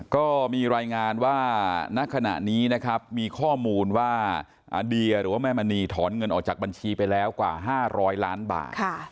ก็มีรายงานว่าณขณะนี้นะครับมีข้อมูลว่าเดียหรือว่าแม่มณีถอนเงินออกจากบัญชีไปแล้วกว่า๕๐๐ล้านบาท